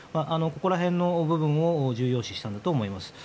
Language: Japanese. ここら辺の部分を重要視したんだと思います。